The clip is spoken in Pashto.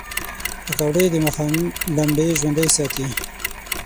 پکورې د ماښام لمبې ژوندۍ ساتي